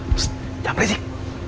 psst jangan berisik